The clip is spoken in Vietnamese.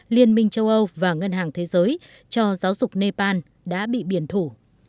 liên minh châu âu và ngân hàng thế giới cho giáo dục nepal đã bị biển thủ